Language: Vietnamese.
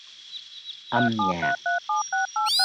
Âm nhạc